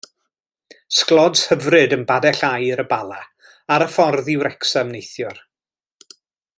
Sglods hyfryd yn Badell Aur, Y Bala, ar y ffordd fyny i Wrecsam neithiwr.